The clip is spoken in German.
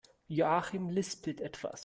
Joachim lispelt etwas.